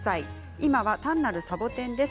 今は単なるサボテンです。